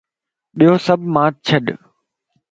ٻيو سڀ مانت ڇڏ